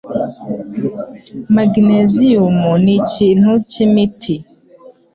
Magnesium ni ikintu cyimiti